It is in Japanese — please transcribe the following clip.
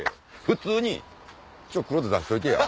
普通に「ちょっと黒田出しといてや」。